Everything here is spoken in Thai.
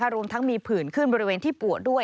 รวมทั้งมีผื่นขึ้นบริเวณที่ปวดด้วย